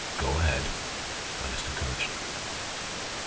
"Go ahead," Ernest encouraged.